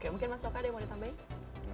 mungkin mas sokade mau ditambahin